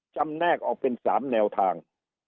แนกออกเป็น๓แนวทาง